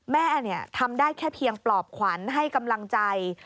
แม่ทำได้แค่เพียงปลอบขวัญให้กำลังใจ